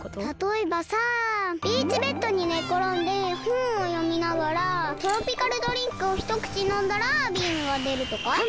たとえばさビーチベッドにねころんでほんをよみながらトロピカルドリンクをひとくちのんだらビームがでるとか。